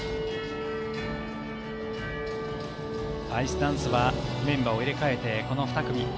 アイスダンスはメンバーを入れ替えてこの２組。